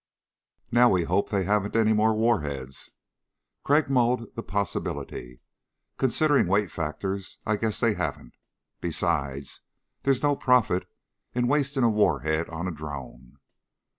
"Now we hope they haven't any more warheads." Crag mulled the possibility. "Considering weight factors, I'd guess they haven't. Besides, there's no profit in wasting a warhead on a drone."